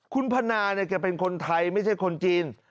คุณพนาเนี่ยแกเป็นคนไทยไม่ใช่คนจีน